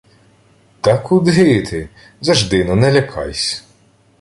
— Та куди ти! Зажди-но, не лякайсь!